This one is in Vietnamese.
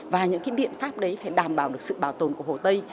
và những cái biện pháp đấy phải đảm bảo được sự bảo vệ